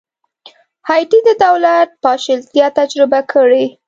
هایټي د دولت پاشلتیا تجربه کړې.